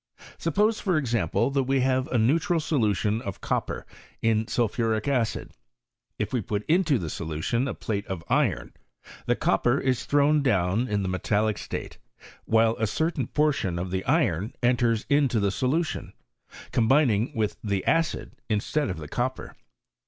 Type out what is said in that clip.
Suppose, for example, that we have a neutral ntion of copper in sulphuric acid, if we put into I solution a plate of iron, the copper is thrown Mm in the metallic state, while a certain portion the iron enters into the solution, combining with J acid instead of the copper.